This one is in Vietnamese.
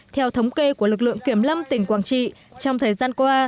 theo thống kê của lực lượng kiểm lâm tỉnh quảng trị trong thời gian qua